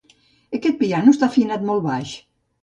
Aquest piano està afinat molt baix.